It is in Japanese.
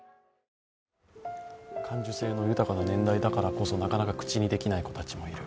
感受性の豊かな年代だからこそなかなか口にできない子たちもいる。